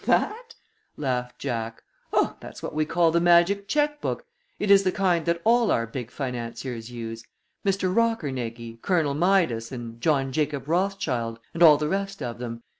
"That?" laughed Jack. "Oh, that's what we call the magic check book. It is the kind that all our big financiers use Mr. Rockernegie, Colonel Midas, and John Jacob Rothschild, and all the rest of them.